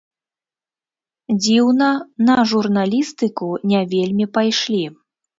Дзіўна, на журналістыку не вельмі пайшлі.